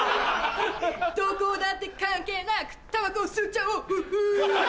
どこだって関係なくたばこを吸っちゃおうフッフ！